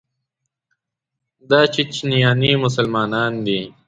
دا چیچنیایي مسلمانان دي.